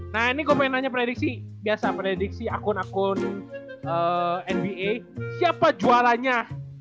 nah ini gua pengen nanya prediksi biasa prediksi akun akun nba siapa jualannya